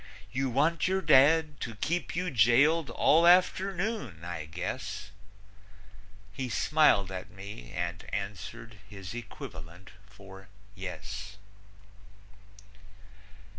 "You want your dad to keep you jailed all afternoon, I guess." He smiled at me and answered his equivalent for "yes."